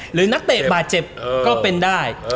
นักเตะบาดเจ็บก็เป็นได้